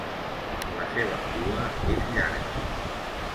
La seva cua és llarga.